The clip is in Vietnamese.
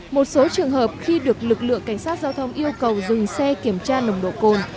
một số trường hợp khi được lực lượng cảnh sát giao thông yêu cầu dừng xe kiểm tra nồng độ cồn